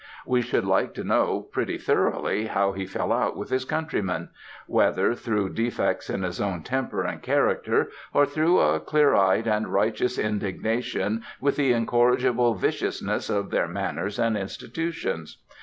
We should like to know pretty thoroughly how he fell out with his countrymen whether through defects in his own temper and character or through a clear eyed and righteous indignation with the incorrigible viciousness of their manners and institutions.